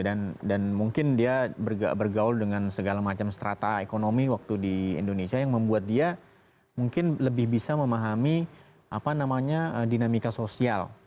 dan mungkin dia bergaul dengan segala macam strata ekonomi waktu di indonesia yang membuat dia mungkin lebih bisa memahami apa namanya dinamika sosial